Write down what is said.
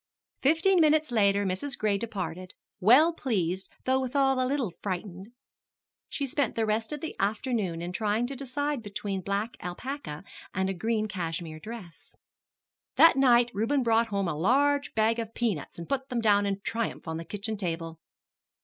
Fifteen minutes later Mrs. Gray departed, well pleased though withal a little frightened. She spent the rest of the afternoon in trying to decide between a black alpaca and a green cashmere dress. That night Reuben brought home a large bag of peanuts and put them down in triumph on the kitchen table.